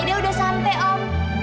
aida udah sampe om